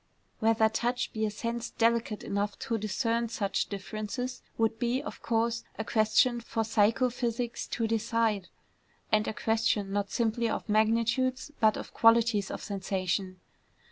Whether touch be a sense delicate enough to discern such differences, would be, of course, a question for psycho physics to decide, and a question not simply of magnitudes, but of qualities of sensation.